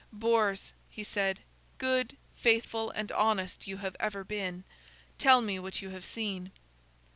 "Bors," he said, "good, faithful, and honest you have ever been. Tell me what you have seen."